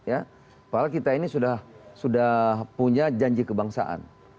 padahal kita ini sudah punya janji kebangsaan